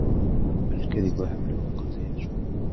الكذب حبله قصير.